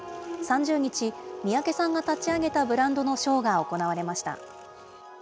３０日、三宅さんが立ち上げたブランドのショーが行われました。